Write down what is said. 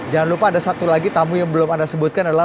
jangan lupa ada satu lagi tamu yang belum anda sebutkan adalah